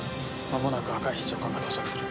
まもなく赤石長官が到着する。